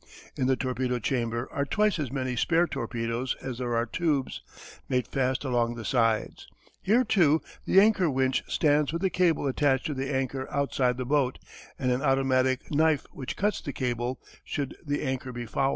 In the torpedo chamber are twice as many spare torpedoes as there are tubes, made fast along the sides. Here too the anchor winch stands with the cable attached to the anchor outside the boat and an automatic knife which cuts the cable should the anchor be fouled.